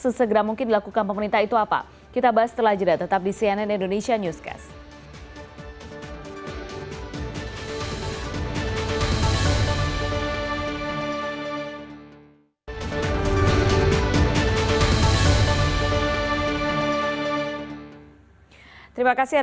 sesegera mungkin dilakukan pemerintah itu apa kita bahas setelah jeda tetap di cnn indonesia newscast